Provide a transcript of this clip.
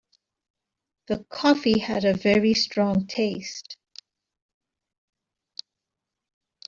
The coffee had a very strong taste.